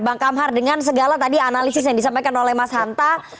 bang kamhar dengan segala tadi analisis yang disampaikan oleh mas hanta